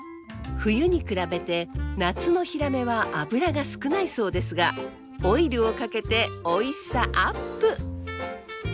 冬に比べて夏のヒラメは脂が少ないそうですがオイルをかけておいしさアップ！